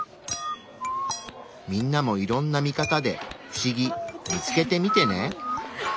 みんなもいろんな見方で不思議見つけてみてね。